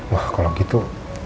wah kalau gitu